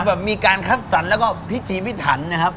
แบบมีการคัดสรรแล้วก็พิธีพิถันนะครับ